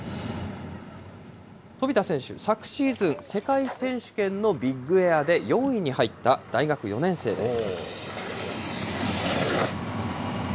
飛田選手、昨シーズン、世界選手権のビッグエアで４位に入った大学４年生です。